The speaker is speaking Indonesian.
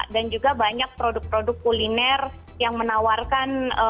dan juga banyak produk produk kuliner yang menawarkan